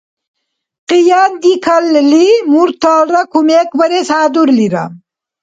Къияндикалли, мурталра кумекбарес хӏядурлира